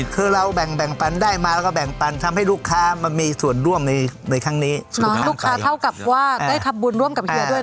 คือเราแบ่งปันได้มาแล้วก็แบ่งปันทำให้ลูกค้ามามีส่วนร่วมในครั้งนี้ใช่ไหมลูกค้าเท่ากับว่าได้ทำบุญร่วมกับเฮียด้วย